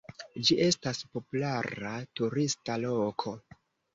Ĝi estas populara turista loko.